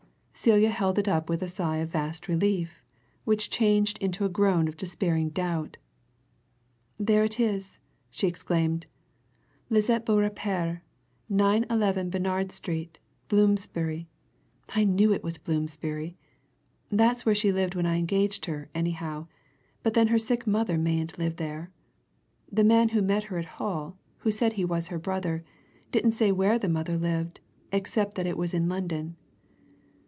Celia held it up with a sigh of vast relief, which changed into a groan of despairing doubt. "There it is!" she exclaimed. "Lisette Beaurepaire, 911 Bernard Street, Bloomsbury I knew it was Bloomsbury. That's where she lived when I engaged her, anyhow but then her sick mother mayn't live there! The man who met her at Hull, who said he was her brother, didn't say where the mother lived, except that it was in London."